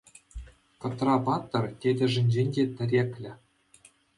Кӑтра-паттӑр тетӗшӗнчен те тӗреклӗ.